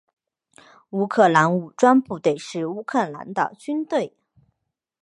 乌克兰武装部队是乌克兰的军队。